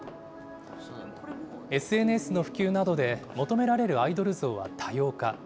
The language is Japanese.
ＳＮＳの普及などで、求められるアイドル像は多様化。